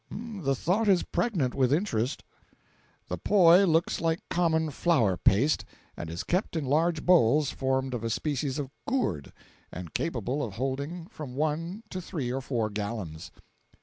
The thought is pregnant with interest.) The poi looks like common flour paste, and is kept in large bowls formed of a species of gourd, and capable of holding from one to three or four gallons.